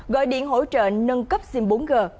gọi điện hỗ trợ nâng cấp sim bốn g